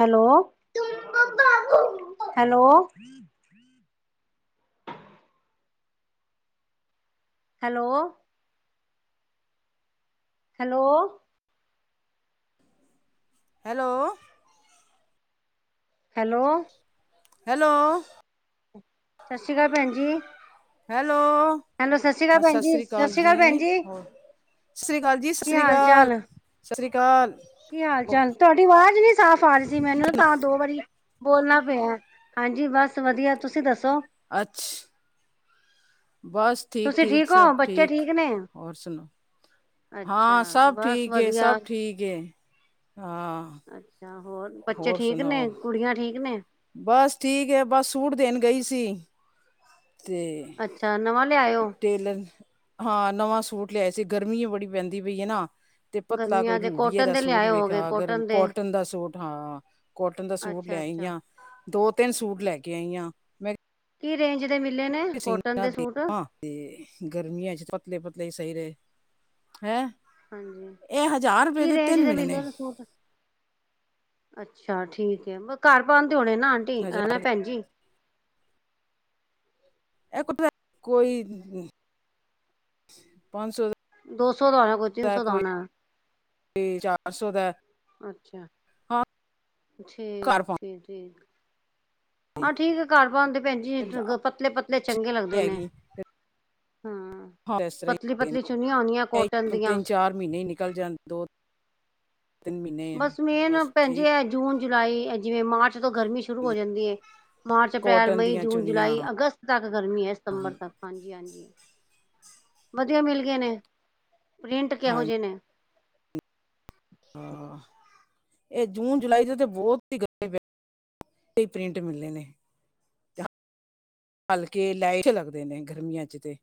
Hello, hello. Hello. Hello. Hello. Hello. Hello. ਸਤਿ ਸ੍ਰੀ ਅਕਾਲ ਭੈਣ ਜੀ। ਹੈਲੋ ਹੈਲੋ ਸਤਿ ਸ਼੍ਰੀ ਅਕਾਲ ਭੈਣ ਜੀ ਸਤਿ ਸ਼੍ਰੀ ਅਕਾਲ ਭੈਣ ਜੀ ਸਤਿ ਸ਼੍ਰੀ ਅਕਾਲ ਜੀ ਸਤਿ ਕੀ ਸ਼੍ਰੀ ਹਾਲ ਅਕਾਲ ਚਾਲ ਸਤਿ ਸ਼੍ਰੀ ਅਕਾਲ ਕੀ ਹਾਲ ਚਾਲ ਤੁਹਾਡੀ ਆਵਾਜ਼ ਨੀ ਸਾਫ਼ ਆ ਰਹੀ ਸੀ ਮੈਨੂੰ ਤਾਂ ਦੋ ਵਾਰੀ ਬੋਲਣਾ ਪਿਆ ਹਾਂਜੀ ਬਸ ਵਧੀਆ ਤੁਸੀਂ ਦੱਸੋ ਅਛਾ ਬਸ ਠੀਕ ਤੁਸੀਂ ਠੀਕ ਸਭ ਹੋ ਬੱਚੇ ਠੀਕ ਨੇ ਹੋਰ ਸੁਣਾਓ ਅੱਛਾ ਹਾਂ ਸਭ ਬਸ ਠੀਕ ਹੈ ਵਧੀਆ ਸਭ ਠੀਕ ਹੈ ਤੇ ਅੱਛਾ ਹੋਰ ਬੱਚੇ ਠੀਕ ਸੁਣਾਓ ਨੇ ਕੁੜੀਆਂ ਠੀਕ ਨੇ ਬਸ ਠੀਕ ਹੈ ਬਸ ਸੂਟ ਦੇਣ ਗਈ ਸੀ ਤੇ ਅੱਛਾ ਨਵਾਂ ਲਿਆਇਓ ਟੇਲਰ ਹਾਂ ਨਵਾਂ ਸੂਟ ਐਸੀੇ ਗਰਮੀ ਬੜੀ ਪੈਂਦੀ ਪਈ ਹੈ ਨਾ ਤੇ ਪਤਲਾ ਕੋਈ ਗਰਮੀਆਂ ਦੇ ਰੂਬੀਏ ਕੋਟਨ ਦਾ ਦੇ ਸੂਟ ਲਿਆਏ ਹੋਗੇ ਵੇਖਿਆ ਅਗਰ ਦੇ ਕੋਟਨ ਦਾ ਸੂਟ ਹਾਂ ਕੋਟਨ ਦਾ ਸੂਟ ਅੱਛਾ ਅੱਛਾ ਲਿਆਈਆਂ ਦੋ ਤਿੰਨ ਸੂਟ ਲੈ ਕੇ ਆਈ ਹਾਂ ਮੈਂ ਕੀ ਰੇਂਜ ਦੇ ਮਿਲੇ ਨੇ ਸੀਨ ਕੋਟਨ ਦੇ ਸੂਟ? ਦੇਖ ਤੇ ਗਰਮੀਆਂ ਚ ਪਤਲੇ ਪਤ ਲਈ ਸਹੀ ਰਹੇ ਹੈਂ ਹਾਂਜੀ ਇਹ ਹਜ਼ਾਰ ਰੁਪਏ ਕੀ ਰੇਂਜ ਤਿੰਨ ਦੇ ਮਿਲੇ ਨੇ ਮਿਲਣਨ ਸੂਟ ਅੱਛਾ ਠੀਕ ਹੈ ਮ ਘਰ ਪਾਂ ਣੇ ਨਾ ਆਂਟੀ ਹਨ ਹਜ਼ਾਰ ਭੈਜੀ ਇਹਤਾ ਕੋਈ ਪੰਜ ਸੌ ਦੋ ਸੌ ਦਾ ਆਉਣਾ ਕੋਈ ਤਿੰਨ ਸੌ ਦਾ ਆਉਣਾ ਓਦਾਂ। ਅੱਛਾ, ਘਰ ਪਾ ਹਾਂ, ਠੀਕ ਆ ਘਰ ਪਾਣ ਦੇ ਭੈਣ ਜੀ ਪਤਲੇ-ਪਤਲੇ ਚੰਗੇ ਲੱਗਦੇ ਨੇ। ਹੈਗੀ ਹਾਂ। ਪਤਲੀ ਪਤਲੀ ਚੁੰਨੀਆਂ ਹੁੰਦੀਆਂ ਕੋਟਨ [unintelligible] ਦੀਆਂ। ਤਿੰਨ ਚਾਰ ਮਹੀਨੇ ਨਿਕਲ ਜਾਣ ਦੋ, ਤਿੰਨ ਮਹੀਨੇ ਬਸ ਮੇਨ ਭੈਣ ਜੀ ਐ ਜੂਨ। ਜੁਲਾਈ ਜਿਵੇਂ ਮਾਰਚ ਤੋਂ ਗਰਮੀ ਸ਼ੁਰੂ ਹੋ ਜਾਂਦੀ ਐ। ਮਾਰਚ, ਅਪ੍ਰੈਲ, ਕੋਟਨ ਮਈ, ਦੀਆਂ ਜੂਨ, ਚੁੰਨੀਆਂ ਜੁਲਾਈ, ਅਗਸਤ ਤੱਕ ਗਰਮੀ ਐ। ਹਨ ਸਤੰਬਰ ਤੱਕ ਹਾਂਜੀ-ਹਾਂਜੀ। ਵਧੀਆ ਮਿਲ ਗਏ ਨੇ। ਪ੍ਰਿੰਟ ਕਿਹੋ ਹਾਂਜੀ ਜਿਹੇ ਨੇ। ਹਾਂ। ਇਹ ਜੂਨ, ਜੁਲਾਈ ਦੇ ਤੇ ਬਹੁਤ ਹੀ [unintelligible] ਹੁੰਦੇ ਨੇ। ਹਲਕੇ ਲਾਈਟ ਜੇ ਲੱਗਦੇ ਨੇ ਗਰਮੀਆਂ ਚ ਤੇ।